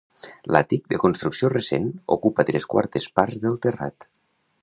L'àtic, de construcció recent, ocupa tres quartes parts del terrat.